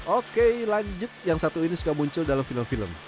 oke lanjut yang satu ini suka muncul dalam film film